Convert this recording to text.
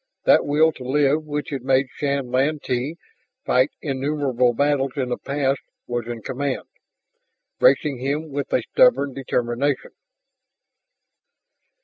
That will to live which had made Shann Lantee fight innumerable battles in the past was in command, bracing him with a stubborn determination.